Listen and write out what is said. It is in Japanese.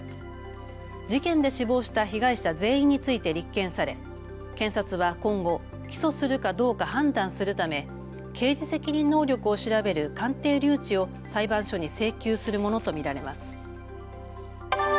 事件で死亡した被害者全員について立件され検察は今後、起訴するかどうか判断するため刑事責任能力を調べる鑑定留置を裁判所に請求するものと見られます。